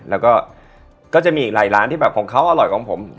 แล้วก็ก็จะมีอีกหลายร้านที่แบบของเขาอร่อยของผม